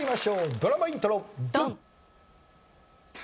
ドラマイントロドン！